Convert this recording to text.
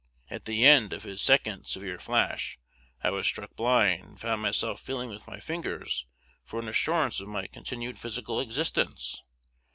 At the end of his second severe flash I was struck blind, and found myself feeling with my fingers for an assurance of my continued physical existence.